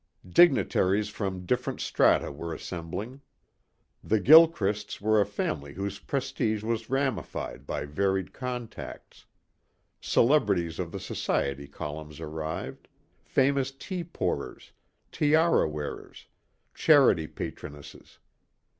Dignitaries from different strata were assembling. The Gilchrists were a family whose prestige was ramified by varied contacts. Celebrities of the society columns arrived famous tea pourers, tiara wearers, charity patronesses.